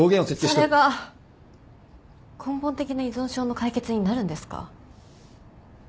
それが根本的な依存症の解決になるんですか？